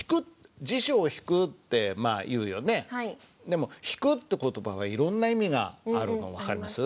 でも「引く」って言葉はいろんな意味があるの分かります？